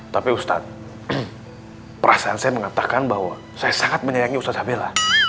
tapi ustadz perasaan saya mengatakan bahwa saya sangat menyayangi ustadz habila